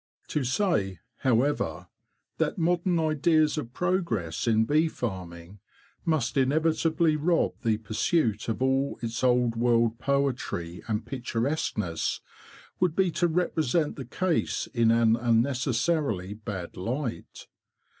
To say, however, that modern ideas of progress in bee farming must inevitably rob the pursuit of all its old world poetry and picturesqueness, would be to represent the case in an unnecessarily bad light.